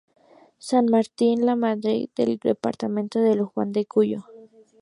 San Martín y Lamadrid del departamento de Luján de Cuyo.